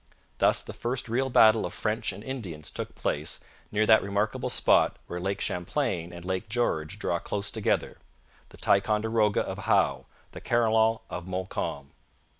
Thus the first real battle of French and Indians took place near that remarkable spot where Lake Champlain and Lake George draw close together the Ticonderoga of Howe, the Carillon of Montcalm.